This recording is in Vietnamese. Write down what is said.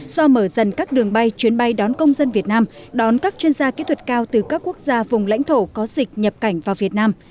do mở dần các đường bay chuyến bay đón công dân việt nam đón các chuyên gia kỹ thuật cao từ các quốc gia vùng lãnh thổ có dịch nhập cảnh vào việt nam